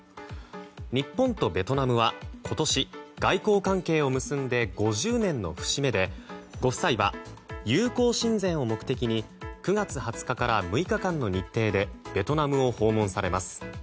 日本とベトナムは今年、外交関係を結んで５０年の節目でご夫妻は友好親善を目的に９月２０日から６日間の日程でベトナムを訪問されます。